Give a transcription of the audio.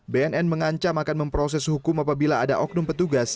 bnn mengancam akan memproses hukum apabila ada oknum petugas